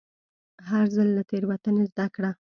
هر ځل له تېروتنې زده کړه.